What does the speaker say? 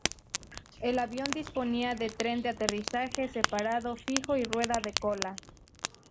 El avión disponía de tren de aterrizaje separado fijo y rueda de cola.